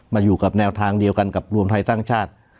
มาอยู่กับแนวทางเดียวกับรวมธรรมชาติ